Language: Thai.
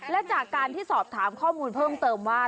และจากการที่สอบถามข้อมูลเพิ่มเติมว่า